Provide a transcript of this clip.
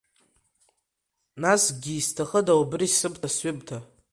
Насгьы изҭахыда убри сымҭа сҩымҭа?